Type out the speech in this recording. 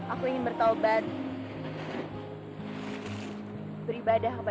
aku datang ke kampung ini dan memulai membuka pati asuhan